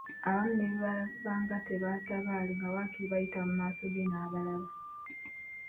Abamu ne bwe baabanga tebatabaale nga waakiri bayita mu maaso ge n’abalaba.